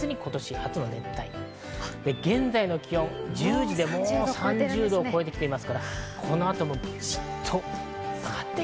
今年初の熱帯夜、現在の気温、１０時でもう３０度を超えてきています。